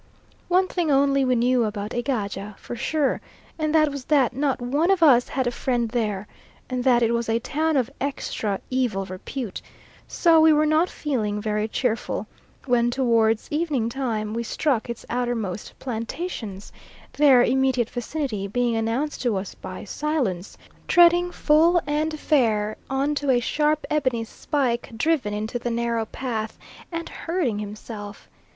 One thing only we knew about Egaja for sure, and that was that not one of us had a friend there, and that it was a town of extra evil repute, so we were not feeling very cheerful when towards evening time we struck its outermost plantations, their immediate vicinity being announced to us by Silence treading full and fair on to a sharp ebony spike driven into the narrow path and hurting himself.